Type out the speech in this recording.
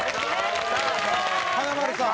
華丸さん